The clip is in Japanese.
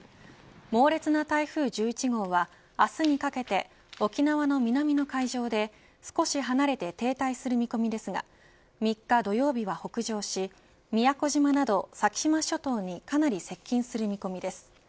猛烈な台風１１号は明日にかけて沖縄の南の海上で少し離れて停滞する見込みですが３日土曜日は北上し宮古島など先島諸島にかなり接近する見込みです。